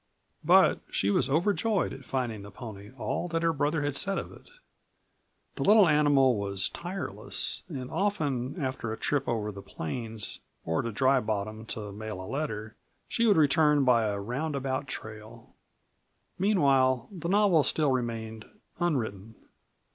But she was overjoyed at finding the pony all that her brother had said of it. The little animal was tireless, and often, after a trip over the plains, or to Dry Bottom to mail a letter, she would return by a roundabout trail. Meanwhile the novel still remained unwritten.